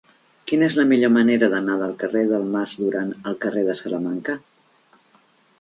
Quina és la millor manera d'anar del carrer del Mas Duran al carrer de Salamanca?